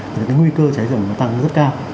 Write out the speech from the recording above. thì cái nguy cơ cháy rừng nó tăng rất cao